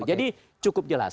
jadi cukup jelas